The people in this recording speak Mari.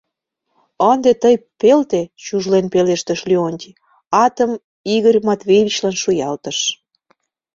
— Ынде тый пелте, — чужлен пелештыш Леонтий, атым Игорь Матвеевичлан шуялтыш.